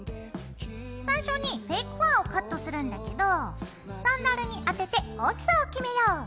最初にフェイクファーをカットするんだけどサンダルにあてて大きさを決めよう。